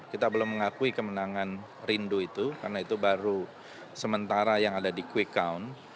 kita belum mengakui kemenangan rindu itu karena itu baru sementara yang ada di quick count